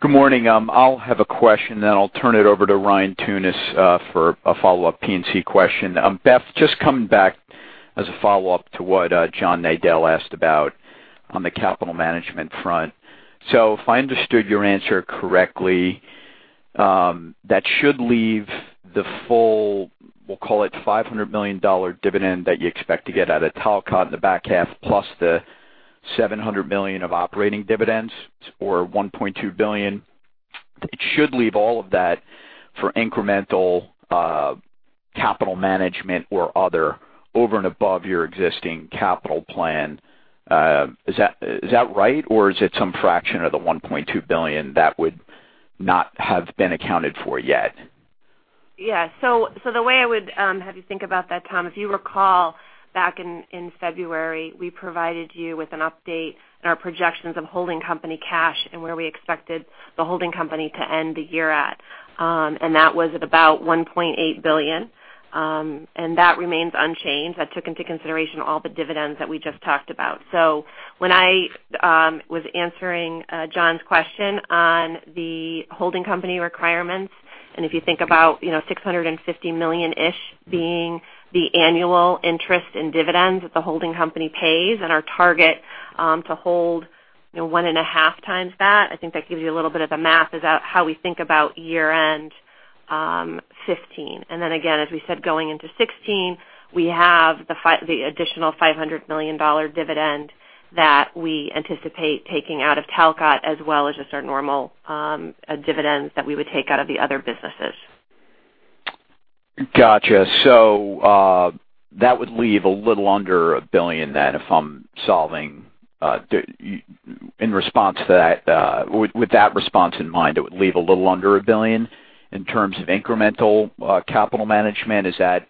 Good morning. I'll have a question, then I'll turn it over to Ryan Tunis for a follow-up P&C question. Beth, just coming back as a follow-up to what John Nadel asked about on the capital management front. If I understood your answer correctly, that should leave the full, we'll call it $500 million dividend that you expect to get out of Talcott in the back half, plus the $700 million of operating dividends, or $1.2 billion. It should leave all of that for incremental capital management or other, over and above your existing capital plan. Is that right, or is it some fraction of the $1.2 billion that would not have been accounted for yet? Yeah. The way I would have you think about that, Tom, if you recall back in February, we provided you with an update in our projections of holding company cash and where we expected the holding company to end the year at. That was at about $1.8 billion. That remains unchanged. That took into consideration all the dividends that we just talked about. When I was answering John's question on the holding company requirements, and if you think about, $650 million-ish being the annual interest in dividends that the holding company pays and our target to hold one and a half times that. I think that gives you a little bit of the math about how we think about year-end 2015. Again, as we said, going into 2016, we have the additional $500 million dividend that we anticipate taking out of Talcott as well as just our normal dividends that we would take out of the other businesses. Got you. That would leave a little under $1 billion then if I'm solving with that response in mind. It would leave a little under $1 billion in terms of incremental capital management. Is that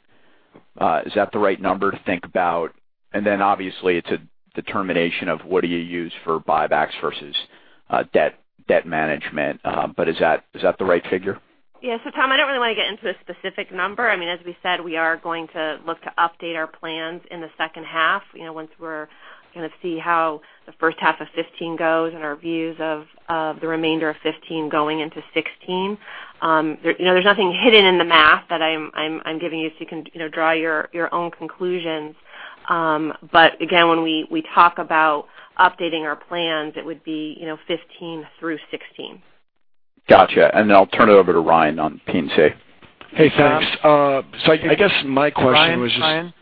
the right number to think about? Obviously it's a determination of what do you use for buybacks versus debt management. Is that the right figure? Tom, I don't really want to get into a specific number. I mean, as we said, we are going to look to update our plans in the second half. Once we're going to see how the first half of 2015 goes and our views of the remainder of 2015 going into 2016. There's nothing hidden in the math that I'm giving you, so you can draw your own conclusions. Again, when we talk about updating our plans, it would be 2015 through 2016. Got you. I'll turn it over to Ryan on P&C. Hey, thanks. I guess my question was just Ryan?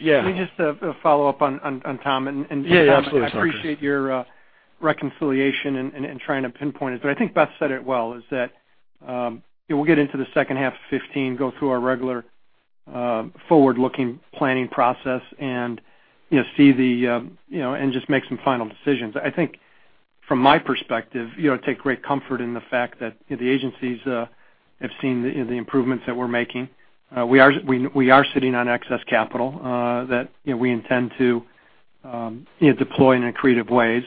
Yeah. Let me just follow up on Tom and Yeah, absolutely. I appreciate your reconciliation in trying to pinpoint it, but I think Beth said it well, is that we'll get into the second half of 2015, go through our regular forward-looking planning process and just make some final decisions. I think from my perspective, take great comfort in the fact that the agencies have seen the improvements that we're making. We are sitting on excess capital that we intend to deploy in creative ways.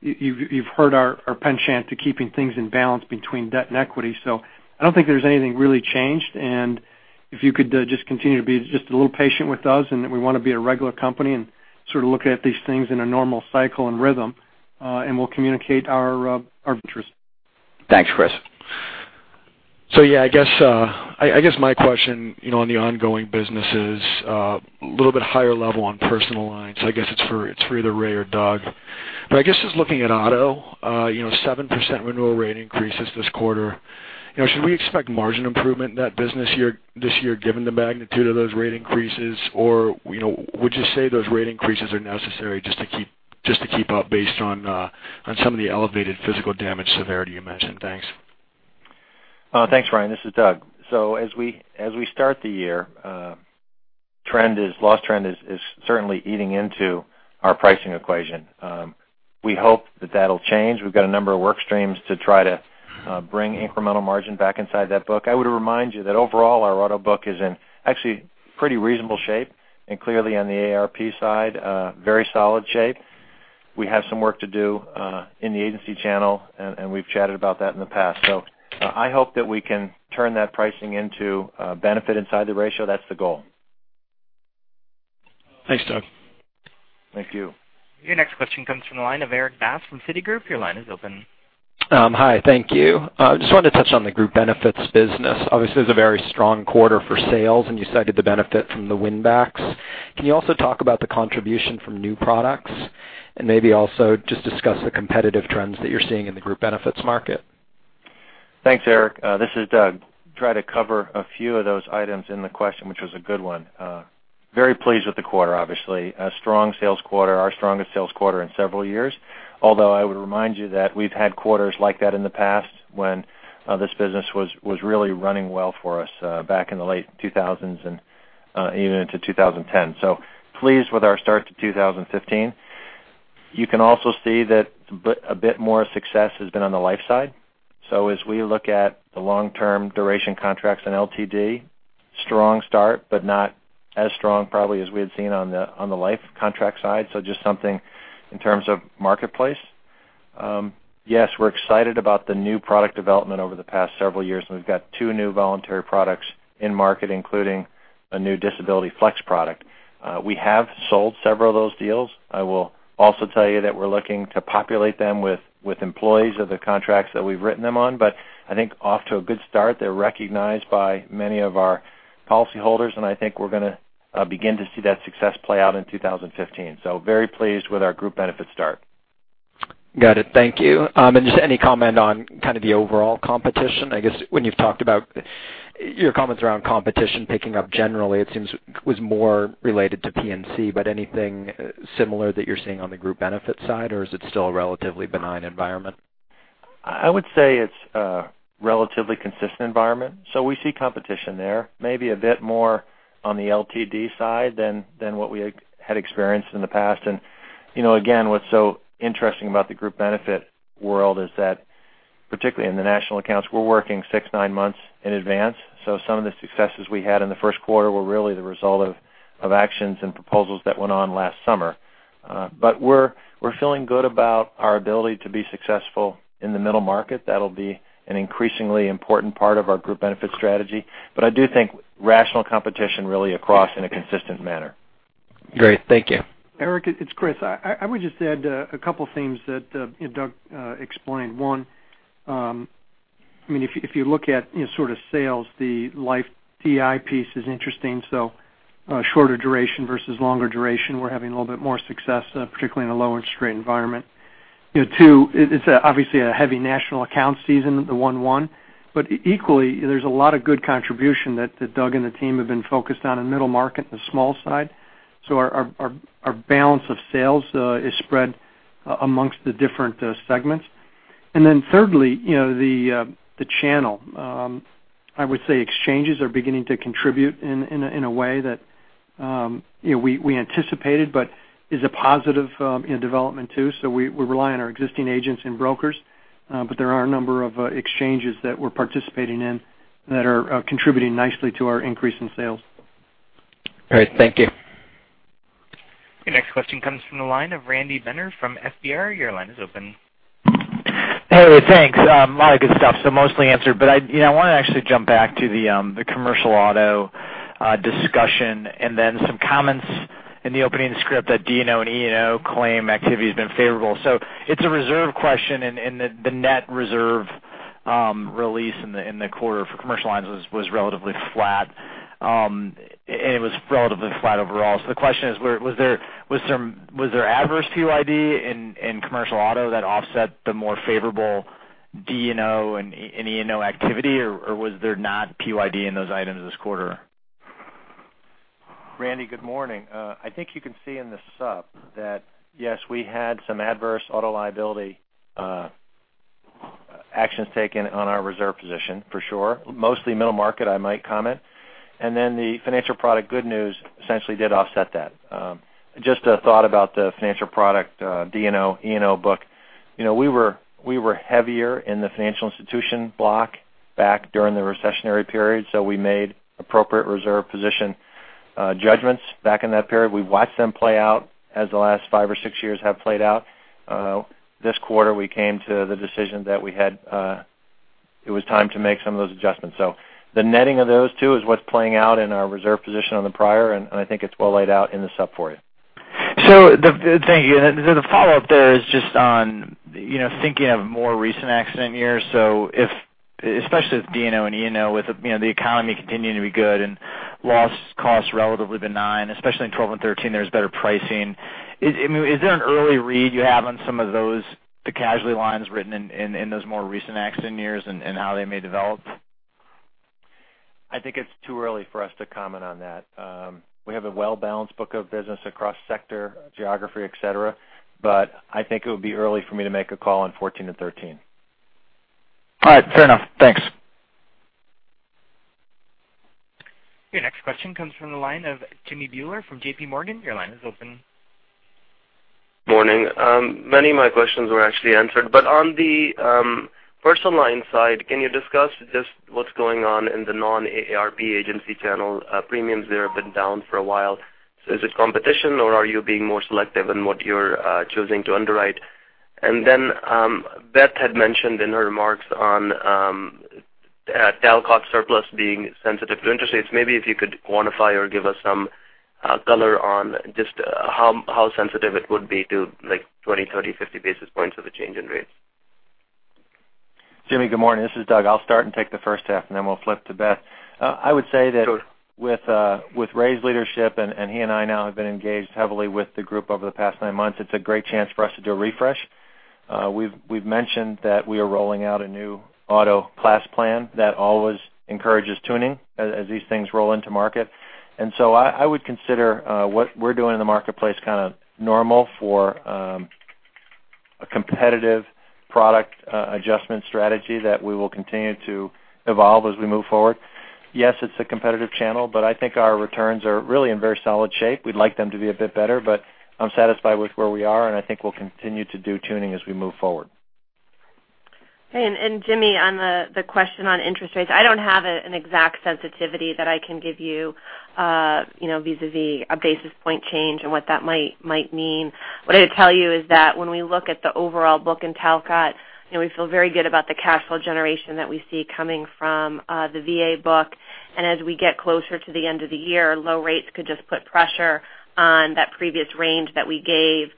You've heard our penchant to keeping things in balance between debt and equity. I don't think there's anything really changed, if you could just continue to be just a little patient with us, we want to be a regular company and sort of look at these things in a normal cycle and rhythm, and we'll communicate our interest. Thanks, Chris. Yeah, I guess my question on the ongoing business is a little bit higher level on personal lines. I guess it's for either Ray or Doug. I guess just looking at auto, 7% renewal rate increases this quarter. Should we expect margin improvement in that business this year given the magnitude of those rate increases? Would you say those rate increases are necessary just to keep up based on some of the elevated physical damage severity you mentioned? Thanks. Thanks, Ryan. This is Doug. As we start the year, loss trend is certainly eating into our pricing equation. We hope that that'll change. We've got a number of work streams to try to bring incremental margin back inside that book. I would remind you that overall, our auto book is in actually pretty reasonable shape and clearly on the AARP side, very solid shape. We have some work to do in the agency channel, and we've chatted about that in the past. I hope that we can turn that pricing into a benefit inside the ratio. That's the goal. Thanks, Doug. Thank you. Your next question comes from the line of Erik Bass from Citigroup. Your line is open. Hi, thank you. Just wanted to touch on the group benefits business. Obviously, it was a very strong quarter for sales, and you cited the benefit from the win backs. Can you also talk about the contribution from new products? Maybe also just discuss the competitive trends that you're seeing in the group benefits market. Thanks, Erik. This is Doug. Try to cover a few of those items in the question, which was a good one. Very pleased with the quarter, obviously. A strong sales quarter, our strongest sales quarter in several years. Although I would remind you that we've had quarters like that in the past when this business was really running well for us back in the late 2000s and even into 2010. Pleased with our start to 2015. You can also see that a bit more success has been on the life side. As we look at the long-term duration contracts in LTD, strong start, but not as strong probably as we had seen on the life contract side. Just something in terms of marketplace. Yes, we're excited about the new product development over the past several years, we've got two new voluntary products in market, including a new DisabilityFLEX product. We have sold several of those deals. I will also tell you that we're looking to populate them with employees of the contracts that we've written them on. I think off to a good start. They're recognized by many of our policyholders, I think we're going to begin to see that success play out in 2015. Very pleased with our group benefits start. Got it. Thank you. Just any comment on kind of the overall competition? I guess when you've talked about your comments around competition picking up generally, it seems, was more related to P&C, anything similar that you're seeing on the group benefits side, or is it still a relatively benign environment? I would say it's a relatively consistent environment. We see competition there, maybe a bit more on the LTD side than what we had experienced in the past. Again, what's so interesting about the group benefit world is that particularly in the national accounts, we're working six, nine months in advance. Some of the successes we had in the first quarter were really the result of actions and proposals that went on last summer. We're feeling good about our ability to be successful in the middle market. That'll be an increasingly important part of our group benefit strategy. I do think rational competition really across in a consistent manner. Great. Thank you. Erik, it's Chris. I would just add a couple themes that Doug explained. One, if you look at sales, the life DI piece is interesting. Shorter duration versus longer duration, we're having a little bit more success, particularly in a lower interest rate environment. Two, it's obviously a heavy national account season, the 1/1. Equally, there's a lot of good contribution that Doug and the team have been focused on in middle market and the small side. Our balance of sales is spread amongst the different segments. Then thirdly, the channel. I would say exchanges are beginning to contribute in a way that we anticipated, is a positive development too. We rely on our existing agents and brokers. There are a number of exchanges that we're participating in that are contributing nicely to our increase in sales. Great. Thank you. Your next question comes from the line of Randy Binner from FBR. Your line is open. Hey, thanks. A lot of good stuff, mostly answered, but I want to actually jump back to the commercial auto discussion and then some comments in the opening script that D&O and E&O claim activity has been favorable. It's a reserve question, the net reserve release in the quarter for commercial lines was relatively flat. It was relatively flat overall. The question is, was there adverse PYD in commercial auto that offset the more favorable D&O and E&O activity, or was there not PYD in those items this quarter? Randy, good morning. I think you can see in the sup that, yes, we had some adverse auto liability actions taken on our reserve position for sure. Mostly middle market, I might comment. Then the financial product good news essentially did offset that. Just a thought about the financial product D&O, E&O book. We were heavier in the financial institution block back during the recessionary period, so we made appropriate reserve position judgments back in that period. We've watched them play out as the last five or six years have played out. This quarter, we came to the decision that it was time to make some of those adjustments. The netting of those two is what's playing out in our reserve position on the prior, I think it's well laid out in the sup for you. Thank you. The follow-up there is just on thinking of more recent accident years. Especially with D&O and E&O, with the economy continuing to be good and loss costs relatively benign, especially in 2012 and 2013, there's better pricing. Is there an early read you have on some of those, the casualty lines written in those more recent accident years and how they may develop? I think it's too early for us to comment on that. We have a well-balanced book of business across sector, geography, et cetera, I think it would be early for me to make a call on 2014 and 2013. All right. Fair enough. Thanks. Your next question comes from the line of Jimmy Bhullar from JPMorgan. Your line is open. Morning. Many of my questions were actually answered. On the personal line side, can you discuss just what's going on in the non-AARP agency channel? Premiums there have been down for a while. Is it competition or are you being more selective in what you're choosing to underwrite? Then Beth had mentioned in her remarks on Talcott surplus being sensitive to interest rates. Maybe if you could quantify or give us some color on just how sensitive it would be to 20, 30, 50 basis points of a change in rates. Jimmy, good morning. This is Doug. I'll start and take the first half, and then we'll flip to Beth. Sure. I would say that with Ray's leadership, and he and I now have been engaged heavily with the group over the past nine months, it's a great chance for us to do a refresh. We've mentioned that we are rolling out a new auto class plan that always encourages tuning as these things roll into market. I would consider what we're doing in the marketplace kind of normal for a competitive product adjustment strategy that we will continue to evolve as we move forward. Yes, it's a competitive channel, but I think our returns are really in very solid shape. We'd like them to be a bit better, but I'm satisfied with where we are, and I think we'll continue to do tuning as we move forward. Jimmy, on the question on interest rates, I don't have an exact sensitivity that I can give you vis-a-vis a basis point change and what that might mean. What I'd tell you is that when we look at the overall book in Talcott, we feel very good about the cash flow generation that we see coming from the VA book. As we get closer to the end of the year, low rates could just put pressure on that previous range that we gave.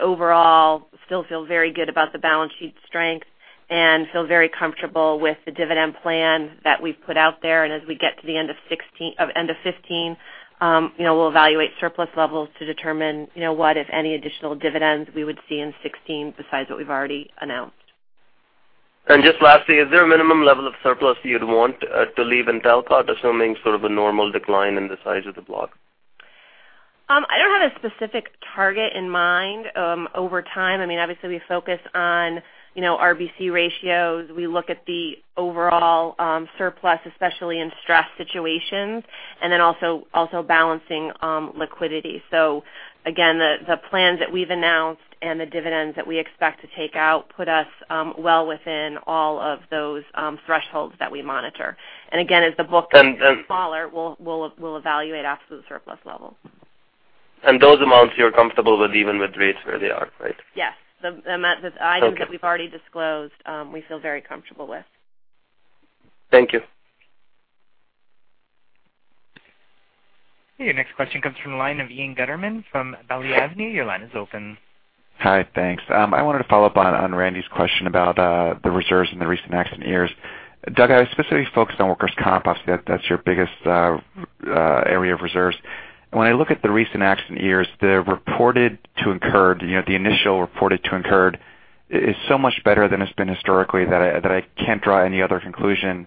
Overall, still feel very good about the balance sheet strength and feel very comfortable with the dividend plan that we've put out there. As we get to the end of 2015, we'll evaluate surplus levels to determine what, if any, additional dividends we would see in 2016 besides what we've already announced. Just lastly, is there a minimum level of surplus you'd want to leave in Talcott, assuming sort of a normal decline in the size of the block? I don't have a specific target in mind. Over time, obviously, we focus on RBC ratios. We look at the overall surplus, especially in stress situations, and also balancing liquidity. Again, the plans that we've announced and the dividends that we expect to take out put us well within all of those thresholds that we monitor. Again, as the book gets smaller, we'll evaluate absolute surplus levels. Those amounts you're comfortable with even with rates where they are, right? Yes. The amounts- Okay. I think that we've already disclosed we feel very comfortable with. Thank you. Your next question comes from the line of Ian Gutterman from Balyasny Asset Management. Your line is open. Hi. Thanks. I wanted to follow up on Randy's question about the reserves in the recent accident years. Doug, I specifically focused on workers' comp. That's your biggest area of reserves. When I look at the recent accident years, the initial reported to incurred is so much better than it's been historically that I can't draw any other conclusion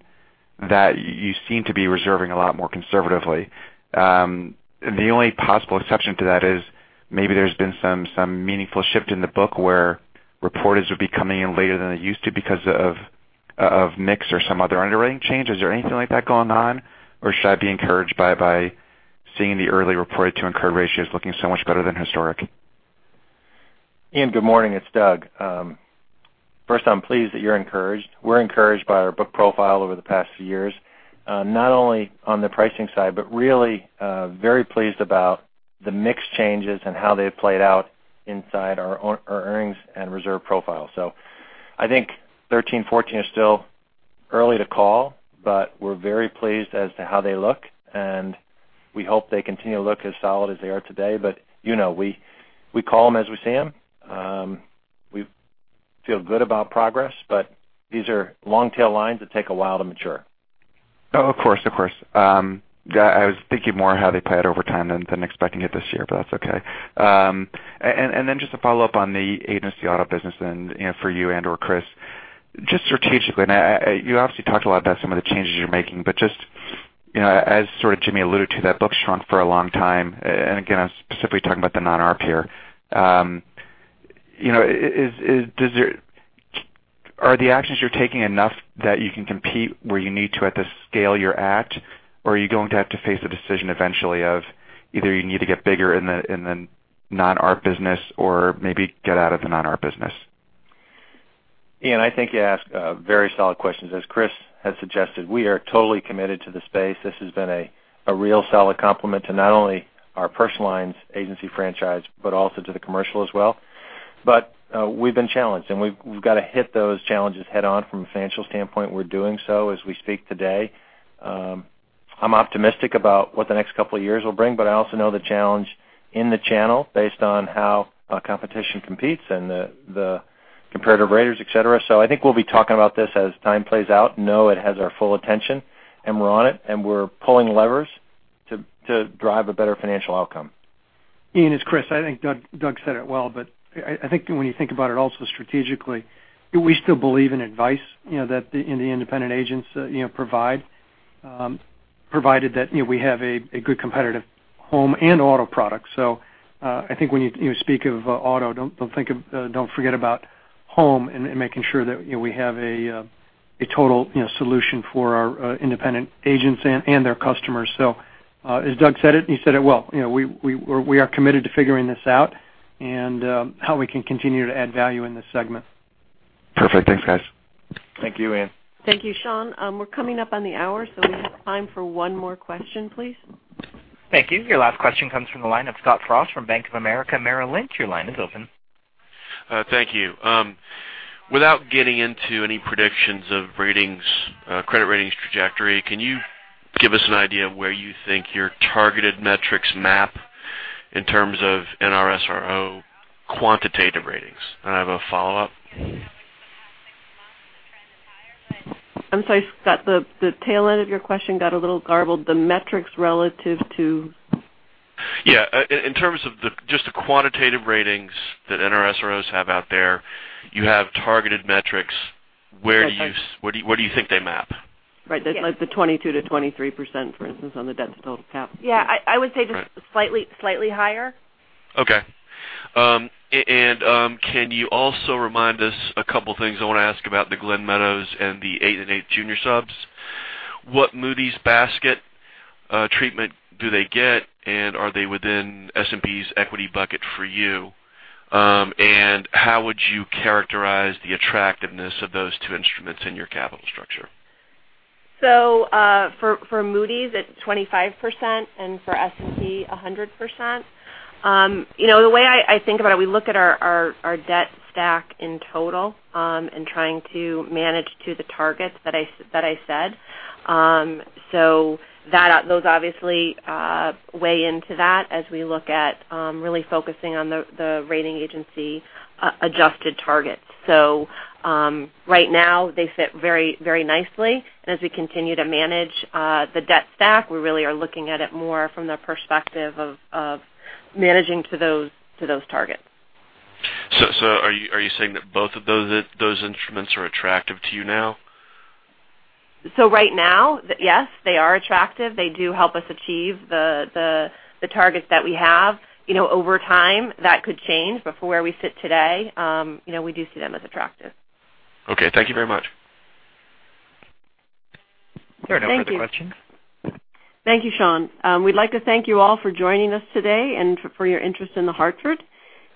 that you seem to be reserving a lot more conservatively. The only possible exception to that is maybe there's been some meaningful shift in the book where reporters would be coming in later than they used to because of mix or some other underwriting change. Is there anything like that going on? Or should I be encouraged by seeing the early reported to incurred ratios looking so much better than historic? Ian, good morning. It's Doug. First, I'm pleased that you're encouraged. We're encouraged by our book profile over the past few years, not only on the pricing side, but really very pleased about the mix changes and how they've played out inside our earnings and reserve profile. I think 2013, 2014 is still early to call, but we're very pleased as to how they look, and we hope they continue to look as solid as they are today. We call them as we see them. We feel good about progress, but these are long-tail lines that take a while to mature. Of course. I was thinking more how they play out over time than expecting it this year, but that's okay. Just to follow up on the agency auto business and for you and/or Chris, just strategically, you obviously talked a lot about some of the changes you're making, but just as sort of Jimmy alluded to, that book shrunk for a long time. Again, I'm specifically talking about the non-AARP here. Are the actions you're taking enough that you can compete where you need to at the scale you're at? Or are you going to have to face a decision eventually of either you need to get bigger in the non-AARP business or maybe get out of the non-AARP business? Ian, I think you ask very solid questions. As Chris has suggested, we are totally committed to the space. This has been a real solid complement to not only our personal lines agency franchise, but also to the commercial as well. We've been challenged, and we've got to hit those challenges head on from a financial standpoint. We're doing so as we speak today. I'm optimistic about what the next couple of years will bring, but I also know the challenge in the channel based on how competition competes and the comparative rates, et cetera. I think we'll be talking about this as time plays out. Know it has our full attention, and we're on it, and we're pulling levers to drive a better financial outcome. Ian, it's Chris. I think Doug said it well, I think when you think about it also strategically, we still believe in advice that the independent agents provide, provided that we have a good competitive home and auto product. I think when you speak of auto, don't forget about home and making sure that we have a total solution for our independent agents and their customers. As Doug said it, and he said it well, we are committed to figuring this out and how we can continue to add value in this segment. Perfect. Thanks, guys. Thank you, Ian. Thank you, Sean. We're coming up on the hour. We have time for one more question, please. Thank you. Your last question comes from the line of Scott Frost from Bank of America Merrill Lynch. Your line is open. Thank you. Without getting into any predictions of credit ratings trajectory, can you give us an idea of where you think your targeted metrics map in terms of NRSRO quantitative ratings? I have a follow-up. I'm sorry, Scott, the tail end of your question got a little garbled. The metrics relative to? Yeah. In terms of just the quantitative ratings that NRSROs have out there, you have targeted metrics. Where do you think they map? Right. Like the 22%-23%, for instance, on the debt to total capital. Yeah. I would say just slightly higher. Okay. Can you also remind us a couple of things I want to ask about the Glen Meadow and the 8.125% junior subs. What Moody's basket treatment do they get, are they within S&P's equity bucket for you? How would you characterize the attractiveness of those two instruments in your capital structure? For Moody's, it's 25%, and for S&P, 100%. The way I think about it, we look at our debt stack in total in trying to manage to the targets that I said. Those obviously weigh into that as we look at really focusing on the rating agency adjusted targets. Right now, they fit very nicely. As we continue to manage the debt stack, we really are looking at it more from the perspective of managing to those targets. Are you saying that both of those instruments are attractive to you now? Right now, yes, they are attractive. They do help us achieve the targets that we have. Over time, that could change. For where we sit today, we do see them as attractive. Okay. Thank you very much. There are no further questions. Thank you. Thank you, Sean. We'd like to thank you all for joining us today and for your interest in The Hartford.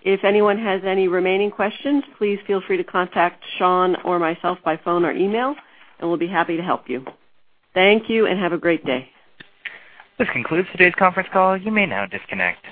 If anyone has any remaining questions, please feel free to contact Sean or myself by phone or email, and we'll be happy to help you. Thank you, and have a great day. This concludes today's conference call. You may now disconnect.